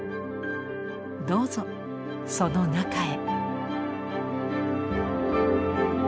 どうぞその中へ。